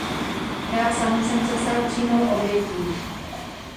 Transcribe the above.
Já sám jsem se stal přímou obětí.